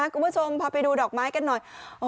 คุณผู้ชมพาไปดูดอกไม้กันหน่อย